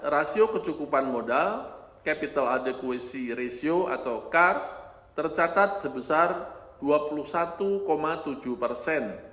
rasio kecukupan modal capital adequacy ratio atau car tercatat sebesar dua puluh satu tujuh persen